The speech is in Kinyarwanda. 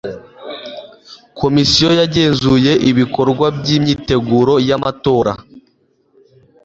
komisiyo yagenzuye ibikorwa by imyiteguro y amatora